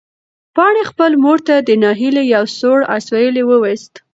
پاڼې خپلې مور ته د ناهیلۍ یو سوړ اسوېلی وویست.